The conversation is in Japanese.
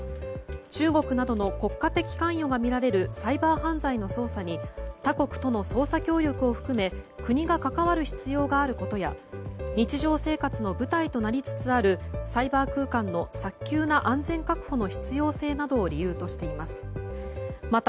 中国などの国家的関与がみられるサイバー犯罪の捜査に他国との捜査協力を含め国が関わる必要があることや日常生活の舞台となりつつあるサイバー空間の早急な安全確保の必要性などを理由としています。